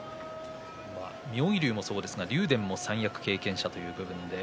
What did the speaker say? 妙義龍もそうですが竜電も三役経験者です。